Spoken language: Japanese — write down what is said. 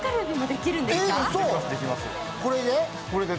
これで？